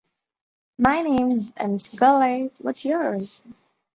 My Name's McGooley, What's Yours?